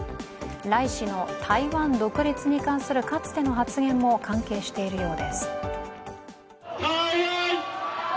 頼氏の台湾独立に関するかつての発言も関係しているようです。